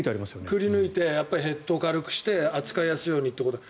くり抜いてヘッドを軽くして扱いやすいようにってことで。